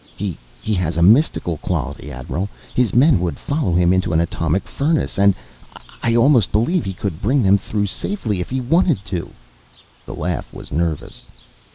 "He has a mystical quality, Admiral. His men would follow him into an atomic furnace. And and I almost believe he could bring them through safely if he wanted to." The laugh was nervous.